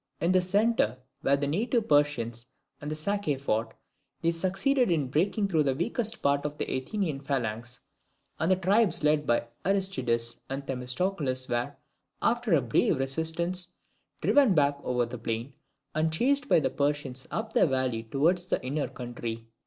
In the centre, where the native Persians and the Sacae fought, they succeeded in breaking through the weaker part of the Athenian phalanx; and the tribes led by Aristides and Themistocles were, after a brave resistance, driven back over the plain, and chased by the Persians up the valley towards the inner country.